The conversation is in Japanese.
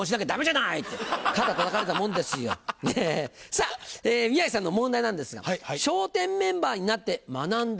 さぁ宮治さんの問題なんですが「笑点メンバーになって学んだこと」。